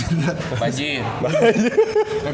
emang bau sial nih orang